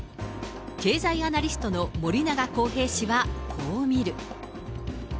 経済アナリストの森永康平氏はこう見る。